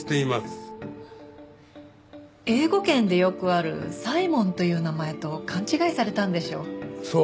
英語圏でよくあるサイモンという名前と勘違いされたんでしょう。